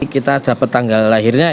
kita dapat tanggal lahirnya